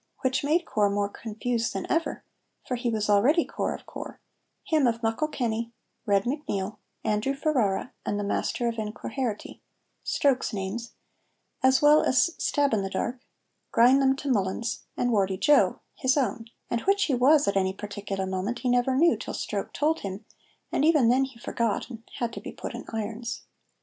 which made Corp more confused than ever, for he was already Corp of Corp, Him of Muckle Kenny, Red McNeil, Andrew Ferrara, and the Master of Inverquharity (Stroke's names), as well as Stab in the Dark, Grind them to Mullins, and Warty Joe (his own), and which he was at any particular moment he never knew, till Stroke told him, and even then he forgot and had to be put in irons.